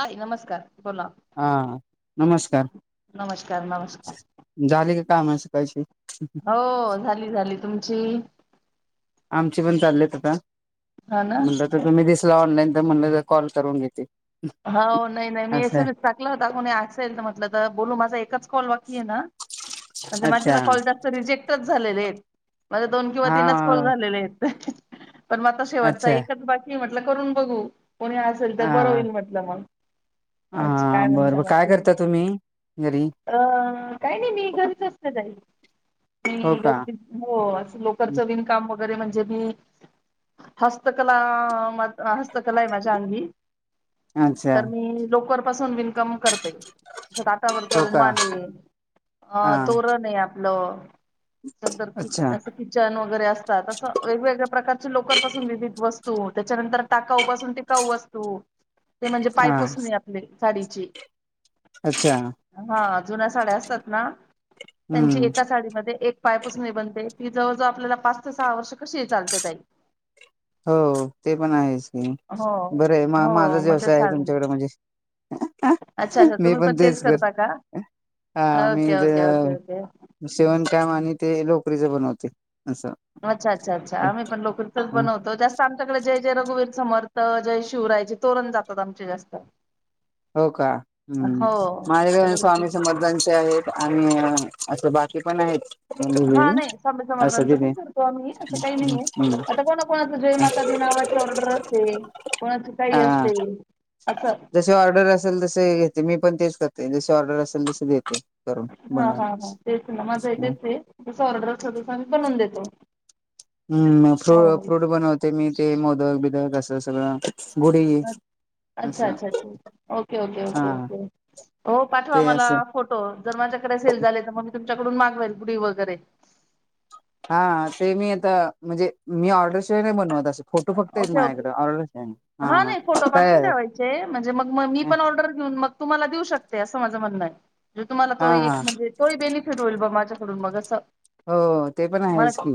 हाय, नमस्कार, बोला. हा नमस्कार,, नमस्कार नमस्कार झाली का काम सकाळची. होऽऽ झाली-झाली तुमची. आमची पण चाललीत आता,, हा ना म्हणलं आता तुम्ही दिसलाऽऽ ऑनलाईन तर म्हणलं कॉल करून घेते. हो नाही, नाही मी एस, असं एम, एस टाकला होता. कोणी आसेल तर म्हटलं जरा बोलू माझा एकच कॉल बाकी आहे ना. ह [unintelligible] म्हणजे माझे तर कॉल जास्त रिजेक्टच झालेले आयेत.. म्हणजे दोन किंवा हा तीनच कॉल झालेले आहेत. पण मग आता शेवटचा अच्छा एकच बाकीय म्हटलं करून बघू,, कोणी असेल तर हा बरं होईल म्हटलं मग.. हा, बरं म्हणता बर काय बाकी करताय तुम्ही? घरी अऽऽ काय नाही मी घरीच असते जाई हो म का गरदी हो अस, लोकरच विणकाम वगैरे म्हणजे बन ज, हस्तकला म हस्तकला आहे माझ्या अंगी. अच्छा तर मी लोकर पासून विन म करते, हातावरचा हो का रुमाल आहे. हा आ तोरण आहे. लो. तर कि अच्छा असं किचन वगैरे असतात. असं वेगवेगळ्या प्रकारचे लोकरपासून विविध वस्तू त्याच्यानंतर टाकाऊ पासून टिकाऊ वस्तू, ते म्हणजे हा पायपुसणे आपली साडीची,, अच्छा हां जुन्या साड्या असतात ना त्यांची हम्म एका साडीमध्ये एक पायपुसनी बनते, ती जवळजवळ आपल्यालाला पाच ते सहा वर्ष कशीही चालते ताई... होऽऽ ते पण आहेच की,, हो बर आहे मग. हो माझा च मग ते व्यवसाय आहे सांग तुमच्याकडे म्हणजे,, अच्छा अच्छा मी तुम्ही पण तेच करता का करते. हा, मी ओके ज ओके ओके ओके शिवण काम आणि ते लोकरीच बनवते. असं अच्छा-अच्छा आम्ही पन लोकरीचच बनवतो. आमच्याकडे जय जय रघुवीर समर्थ, जय शिवरायचे तोरण जातात आमचे जास्त. हो का? हूम् हो माझ्याकडे आमच्याकडे तो- स्वामी समर्थांचे आहेत आणि अ असं बाकी पण हायेत. हा नाही, स्वामी समर्थांचं पण करतो आम्ही. असं काही नाहीेए, आता कोणा कोणाच जयमाता दि नावा ची ऑर्डर असते, कोणाची काही हा असते आस. जशी ऑर्डर असेल तस घेते, मी पण तेच करते, जशी ऑर्डर असेल तस देते. करून हा बनवून हा हा. तेच ना माझंही तेच ए, तस ऑर्डर असल तस आमी बनवून देतो. हम्म फ्रू हो फ्रूट बनवते, मी ते मोदक बिदक असं सगळं. तेच अच्छा अच्छा ठीक ए ओके ओके हा ओके ओके हो पाठवा ते मला असं फोटो, जर माझ्या कडे सेल झाले तर, मग मी तुमच्याकडून मागवेल गुढी वगैरे. हा ते, मी आता म्हणजे मी ऑर्डरशिवाय नाही बनवत आसं. फोटो फक्त हायत माझ्याकड फक्त ऑर्डर द्या. हा नाही, फोटो पाठवून ठेवायचे म्हणजे मग म मी हा पण ऑर्डर घेऊन, मग तुम्हाला देऊ शकते अस. अस माझं म्हणणं हाय, तुम्हाला तो एक हा म्हणजे तो ही बेनिफिट होईल, बा माझ्याकडून मग असं. हो ते पण मग आहेच की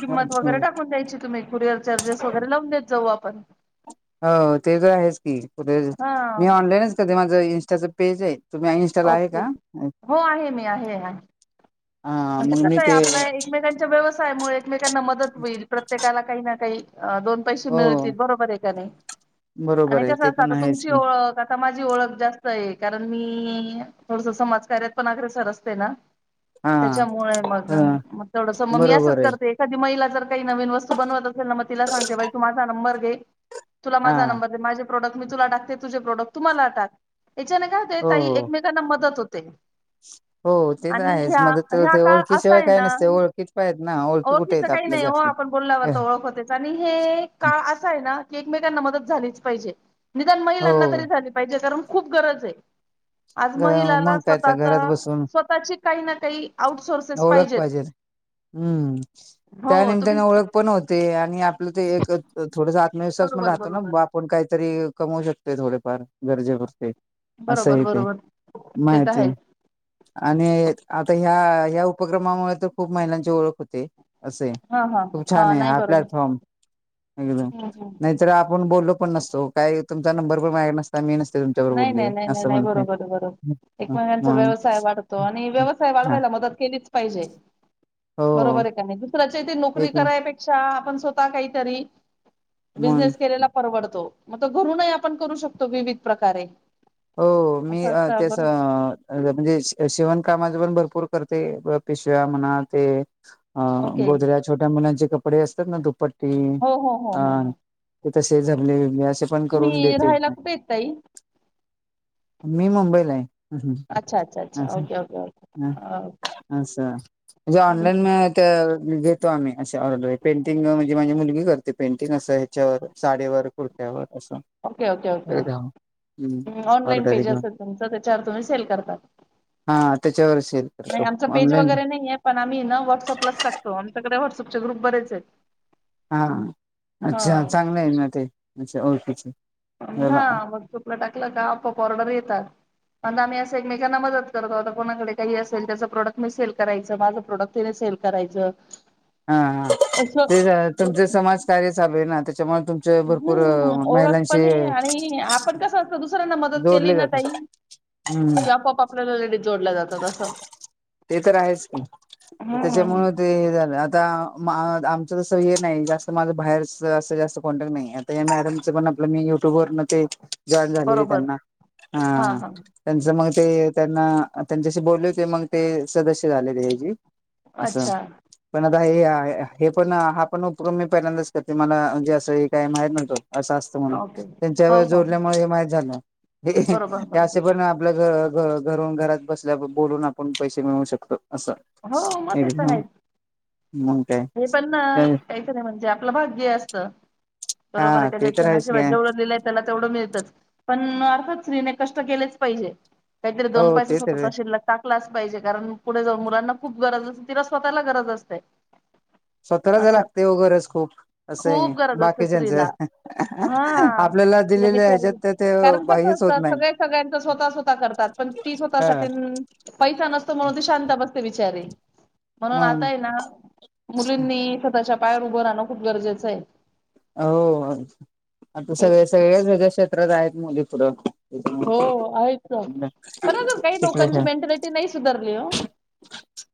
किंमत वगैरे टाकून द्यायची तुम्ही कुरिअर चार्जेस. टाकून देत जाऊ आपण. हो ते तर आहेच की, कुठे मी हां ऑनलाईनच करते माझं इंस्टाच पेज आहे. तुम्ही आ इंनस्टाला आहे ओके का? हो आहे मी आहे आहे हा म्हणजे मग मी कसं हाय? ते आपल एकमेकांच्या व्यवसायामुळे एकमेकांना मदत व्हईल, प्रत्येकाला काही ना काही अ दोन पैसे हो मिळतील, बरोबर आहे का नाही? बरोबर आणि आहे कसं ते असत? पण आता आहेच तुमची की ओळख, आता माझी ओळख जास्त आहे, कारण मी थोडस समाजकार्यात, पण अग्रेसर असते ना हा त्याच्यामुळे मग ह मग ते थोडसं मग मी बरोबर असंच आहे करते एखादी महिलाचा जर तर काही नवीन वस्तू बनवत असेल मग तिला सांगते बाई तू माझा नंबर घे तुला हा माझा नंबर दे प्रोडक्ट मी तुला टाकते तुझे प्रोडक्ट तू मला टाक त्याच्याने काय होते हो ताई एकमेकांना मदत होते. [unintelligible] हो ते तर आणि आहेच ह्या मदत तर ह्या ते काळ ओळखी असा शिवाय आहे काय नसते ना ओळखीचं पाहिजेत ना ओळखी कुठे ओळखीचं आहेत आपल्या जास्त एक काळ असं आहे ना की एकमेकांना मदत झालीच पाहिजे निदान महिलांना हो तरी झाली पाहिजे कारण खूप गरज आहे. आज महिलांना मग काय तर घरात स्वतःचा बसून स्वतःची काही ना काही आउटसोर्सेस ओळख पाहिजेत पाहिजे हम्म हो त्या तुम्ही निमित्ताने ओळख पण होते. आणि आपलं ते एक थोडंसं आत्मविश्वास पण बरोबर राहतो ना बरोबर आपण काही तरी कमवू शकते थोडेफार गरजे करते बरोबर असंही ते बरोबर ते तर माहिती आहे आणि आता ह्या ह्या उपक्रमामुळे तर खूप महिलांची ओळख होते. असे हा हा खूप छान आहे नाही हा बरोबर प्लॅटफॉर्म एकदम हम्म हम्म नाहीतर आपण बोललो पण नसतो काही तुमचा नंबर पण माझ्याकड नसता मी नसते तुमच्यावर नाही नाही बोलले नाही नाही असं नाही म्हणते बरोबर बरोबर एक महिन्यांचा मग व्यवसाय वाढतो आणि व्यवसाय हा वाढवायला मदत केलीच पाहिजे. हो बरोबर आहे का नाही दुसऱ्याच्या इथे नोकरी एक करायपेक्षा आपण स्वतः काहीतरी मग बिझनेस केलेला परवडतो मग तो घरून आपण करू शकतो विविध प्रकारे हो मी असं असतं त्याच बरोबर म्हणजे शिवण कामा पण भरपूर करते पिशव्या म्हणा ते ओके गोधड्या छोट्या मुलांचे कपडे असतात ना दुपट हो हो हो हो हो ते तसे जमणे बिमणे असे पण करून तुम्ही देते राहायला कुठे आहेत ताई मी मुंबईला आहे. हं. अच्छा अच्छा अच्छा ओके ओकेओकके. अच्छा म्हण जे ऑनलाईन म त्या घेतो आम्ही अशा ऑर्डर पेंटिंग म्हणजे माझी मुलगी करते पेंटिंग असं ह्याच्यावर साडीवर कुर्त्यावर असं एकदा ह् ऑनलाइन पेज अस तुमचं त्याच्यावर तुम्ही सेल करता हा त्याच्यावर सेल नाही करतो आमचं पेज ऑनलाईन वगैरे नाही आहे पण आम्ही न व्हॉट्सअपलाच टाकतो क व्हटसअप ग्रुप बरेच आहेत. हा अच्छा हा चांगलं आहे ना ते अच्छा ओके. ह मग चुपला टाकलं का आपप ऑर्डर येतात पण आम्ही अस एकमेांना मदत करतो होता कोणाकडे काही असेल त्याचं प्रोडक्ट मी सेल करायं माझं प्रोडक्टिने सेल करायचं. हा ह असं ते तुमचा समाजकार्य साब ना त्याच्यामुळे तुमचे भरपूर हम्म ओळख महिलांशी पण आहे आणि आपण कसत दुसऱ्यांना मदत केली जोडले ना जातात तई हम्म कि आप आपप आपल्याला लेडी जोडल्या जातात असं ते तर आहेच की हम्म त्याच्यामुळे ते हे झालं आता आमचं तस हे नाही जास्त माझं बाहेरच असं जास्त कॉन्टॅक्ट नाही आता या मॅडमच मी युट्युब व जाईन झाले बरोबर त्यांना हा हा त्यां म ते त्यांना त्यांच्याशी बोलले होते मग ते सदस्य झाले तेजी अच्छा हे हे पण हा पण उपक्रम मी पहिल्यांदाच करते मलाजे असं काय माहित नव्हती. असं असतं म्हणून ओके. हो तेंच्यावर हो हो जोडल्यामुळे माहीत झालं. व्हय कनि बरोबर ते बरोबर असे पण आपलं घर घ घरून घरात बसल्या, बोलून आपण पैसे मिळू शकतो. असं हो मग तेेतर एकदम हायच. मग काय हे पण ना काही खरय म्हणजे आपलं भाग्य असत. बरोबर आहे, हा ते एखाद्या तर च्या आहेच नशिबात काय जेवढं लिहिलंय त्याला तेवढं मिळतंच, पण अर्थात स्त्रीने कष्ट केलेच पाहिजे. काहीतरी दोन हो पैसे ते स्वतःचा तर शीलक टाकलाच पाहिजे, कारण पुढे जाऊन मुलांना खूप गरज असते, तिला स्वतःला गरज असते. [inaudible] स्वतःलाच असं लागत्या ओ गरज खूप असंय खूप गरज असते बाकीच्यांच स्त्रीला हा आपल्याला तिला दिलेल्या बिचार ह्याच्यात तर ते कारण कसं बाह्यच असत? होत नाही सगळ सगळ्यांच स्वतः स्वतः करतात, पण ती हा स्वतःसाठी न पैसा नसतो म्हणून ती शांत बस ते बिचारी म्हणून मग आता हेना मुलींनी स्वतःच्या पायवर उभं राहणं खूप गरजेचं हाय. होव आता सगळे सगळेच वेगळ्या क्षेत्रात आहेत मुली पुढ. हो आहेच ना. पण अजून काही तिकडे लोकांची ठेव. मेंटॅलिटी नाही सुधारली हो.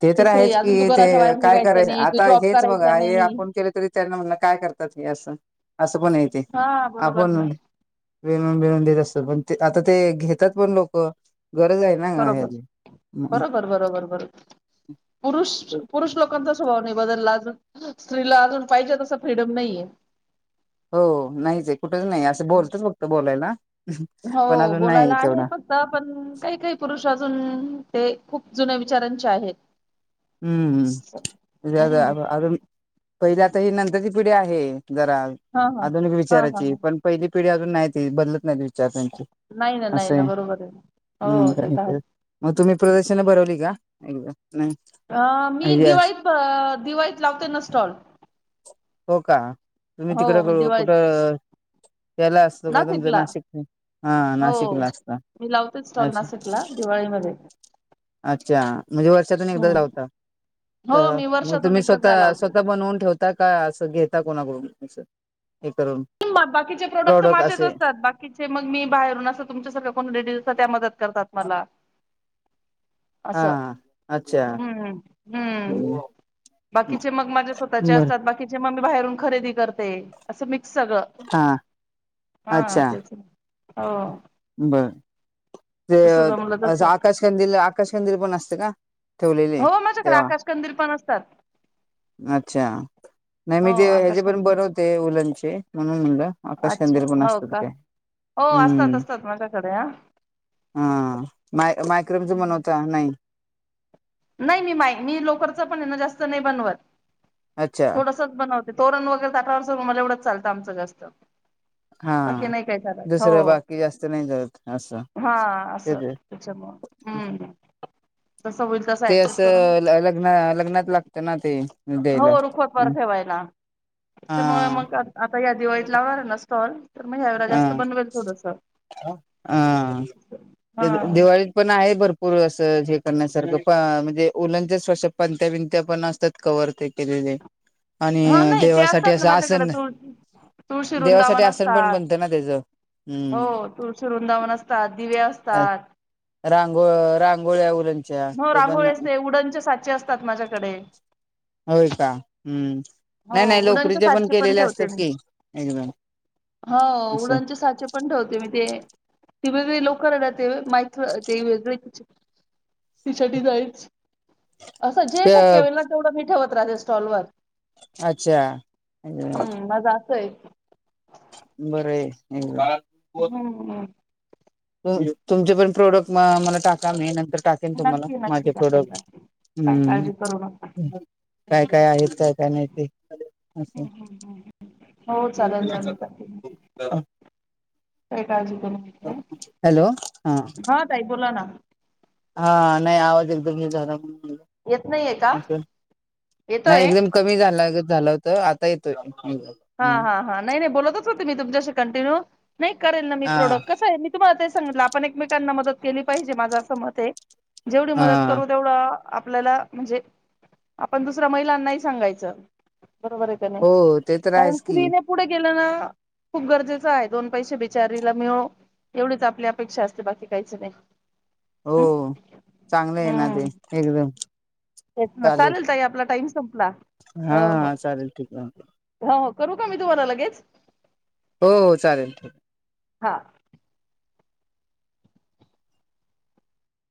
ते की तर श्रेय आहेच अजून तू की, घराच्या ते बाहेर काय निघायचं करायच? नाही, तू आता जॉब हेच करायचा बघा हे नाही. आपण केलं, तरी त्यांना म्हणनार काय करतात? हे असं, आस पण ये ते हा बरोबर आपण ना दळून बिळून देत असतात, पण ते आता ते घेतात पण लोक. गरज आहे ना बरोबर, ह्याची बरोबर, बरोबर, बरोबर. पुरुष, पुरुष लोकांचा स्वभाव नाही बदलला आजुन. स्त्रीला अजून पाहिजे तस, फ्रीडम नाहीे ए. हो, नाहीच ए कुठच नाही असं बोलतच फक्त बोलायला, पण हो अजून नाही बोलायला आहे तेवढा. फक्त पण काही काही पुरुष अजून ते खूप जुन्या विचारांचे आहेत. हम्म, अ हा आता पहिल्या आता ही नंतरची पिढी आहे जरा हा हा आधुनिक हा हा विचाराची, हा पण पहिली पिढी अजून नाही ती बदलत नाहीत विचार त्यां नाही ना नाही असं ना आहे, बरोबर हो ते मग तर आहे. मग तुम्ही प्रदर्शनं भरवली का? एकदा नाही. अ मी यस दिवाळीत अ दिवाळीत लावते ना स्टॉल. हो का तुम्ही हो, तिकडे मी दिवाळीत कुठं त्याला असतो का, तुमचं नाशिकला. नाशिक हा हो. नाशिकला असतं. मी लावते स्टॉल नाशिकला दिवाळीमध्ये. अच्छा, म्हणजे वर्षातून एकदाच हं. लावता. हो, तर मी मग वर्षातून तुम्ही एकचदा स्वतः लावते. स्वतः बनवून ठेवता का, असं घेता कोणाकडून? असं. हे करून म बाकीचे प्रोडक्ट तर प्रॉडक्ट माझेच असे असतात, बाकीचे मग मी बाहेरून असं तुमच्या सगळ्या कोणा लेडीज असतात त्या मदत करतात मला. [inaudible] हा हा हम्म हम्म, बाकीचे मग माझ्या स्वतःचे बर असतात, बाकीचे म बाहेरून खरेदी करते, असं मिक्स सगळं हा हा तेच ना. हो. बरं ते जसं जमलं असं तसं. आकाशकंदील आकाश कंदिल पण असतं का? ठेवलेली हो माझ्याकडं तेव्हा आकाश कंदीर पण असतात. अच्छा. नाही मी हो, ते ह्याचेे पण आकाशकंदील. बनवते उलनचे म्हणून म्हणलं. अच्छा, आकाशकंदील पण हो असतात का? काय हो असतात हम्म असतात माझ्याकडे ह. हा माय मायक्रोमच बनवता नाही. नाही मी माय मी लोकरच पण ना जास्त नाही बनवत, अच्छा थोडसंच बनव ते तोरण वगैरे ताटावरचा रुमाल एवढं चालतं आमचं जास्त. हा बाकी नाही काय चालत हो, दुसरं बाकी जास्त नाही जळत असं हा ते असं ते त्याच्या म हम्म, तसं होई ते असं लग्न लग्नात लागतं ना ते. द्यायला हो, रुखवतवर ठेवायला त्याच्यामुळे हा मग आ या दिवाळीत लावनार आहे ना स्टॉल तर मग यावेळी जास्त बनवेल थोडंसं ह दिवाळीत पण आहे भरपूर अस हे करण्यासारखं म्हणजे ऊलनचे सो पणत्या बिंत्या पण असतात कवर तेन केलेले हा आणि नाही ते देवासाठी असतात ना असं माझ्याकडे आसन तुळ तुळशी देवासाठी वृंदावन आसन पण असतात बनतं ना त्याचं हो हम्म तुळस वृंदावन असतात दिवे असतात रांगोळ रांगोळ्या उलनच्या हो ते पण रांगोळी असते उडनचे साचे असतात माझ्याकडे. होय का ह हम्म हो नाही नाही उडनचे लोकरीचे पण साचे केलेले ठेवते असतात मी. की एकदम हो असं उडणचे साचे पण ठेवते मी ते ती वेगवेगळी लोकर आहे ना ती माहित ते व तिसाठी जायच असं जे शक्य होईल ना तेवढं मी ठेवत राहे स्टॉलवर अच्छा हम्म माझं असं आहे. बरंय हम्म हम्म तु तुमचे पण प्रोडक्ट म मला टाका मी नंतर टाकेल तुम्हाला नक्की नक्की माझे टाकेल प्रोडक्ट टाकेल काय काळजी करू नका. हम्म काय काय आहेत त्यात काय नाही ते असं हो चालेल चालेल काय काळजी करू हा ताई बोला ना हा नाही आवाज एकदम हे झाला येत नाहीये का? अस नाही येतोय? एकदम कमी झाला गत झालं होतं आता येतोय हा हम्म हा हा नाही नाही बोलतच होते मी तुमच्याशी कंटिन्यू नाही करेन ना मी हा प्रोडक्ट कस आहे त मला ते सांगितलं आपण एकमेकांना मदत केली पाहिजे माझं असं मत जेवढी हा मदत करू तेवढं आपल्याला म्हणजे आपण दुसऱ्या महिलांनाही सांगायचं बरोबरच आहे का हो नाही ते तर कारण आहेच की स्त्रीने पुढे गेलं ना खूप गरजेचं आहे दोन पैसे बिचारीला मिळो एवढीच आपली अपेक्षा असते बाकी काहीच नाहीय हो चांगलंय आहे ना ते हम्म एकदम तेच ना चालेल ताई आपला टाईम संपला हा हो हो चालेल ठीक आहे हो करू का मी तुम्हाला लगेच हो हो चालेल ल हा आ